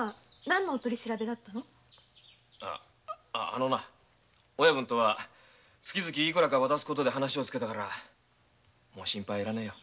あのな親分とは月々いくらか渡すことで話をつけたからもう心配はいらないよ。